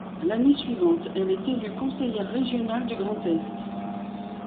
L'année suivante, elle est élue conseillère régionale du Grand Est.